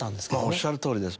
おっしゃるとおりです。